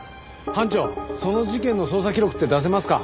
班長その事件の捜査記録って出せますか？